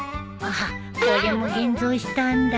あっこれも現像したんだ。